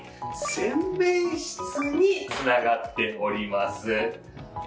洗面室につながっております。